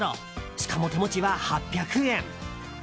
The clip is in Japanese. しかも、手持ちは８００円。